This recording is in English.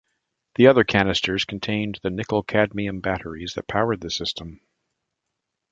The other canisters contained the nickel-cadmium batteries that powered the system.